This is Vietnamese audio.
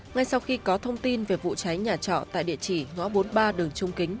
ngay sau khi có thông tin về vụ cháy nhà trọ tại địa chỉ ngõ bốn mươi ba đường trung kính